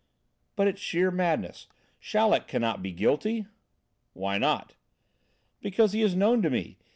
"But it's sheer madness. Chaleck cannot be guilty!" "Why not?" "Because he is known to me.